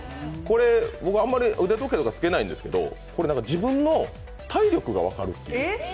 あんまり腕時計とか着けないんですけど、自分の体力が分かるんです。